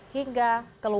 hingga ke luar